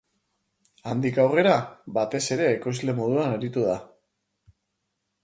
Handik aurrera, batez ere ekoizle moduan aritu da.